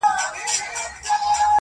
كه خپلوې مي نو در خپل مي كړه زړكيه زما.